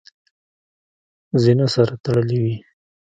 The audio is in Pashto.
زینه سره تړلې وي .